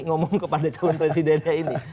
ngomong kepada calon presidennya ini